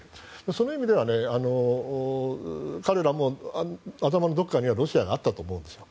その意味では彼らも頭のどこかにはロシアがあったと思うんですよ。